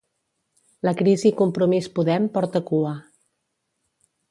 La crisi Compromís-Podem porta cua.